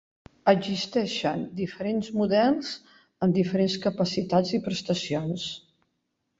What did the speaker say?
Existeixen diferents models, amb diferents capacitats i prestacions.